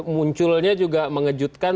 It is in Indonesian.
munculnya juga mengejutkan